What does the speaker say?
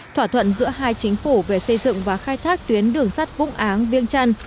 thỏa thuận giữa hai chính phủ về xây dựng và khai thác tuyến đường sắt vũng áng viêng trăn